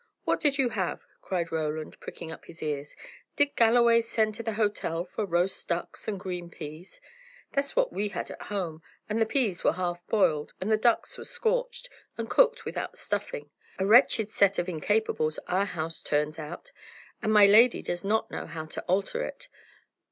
"What did you have?" cried Roland, pricking up his ears. "Did Galloway send to the hotel for roast ducks and green peas? That's what we had at home, and the peas were half boiled, and the ducks were scorched, and cooked without stuffing. A wretched set of incapables our house turns out! and my lady does not know how to alter it.